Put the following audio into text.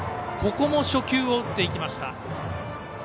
ここも初球を打っていきました。